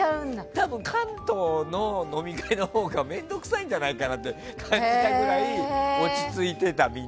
多分、関東の飲み会のほうが面倒くさいんじゃないかって感じたぐらいみんな落ち着いてた。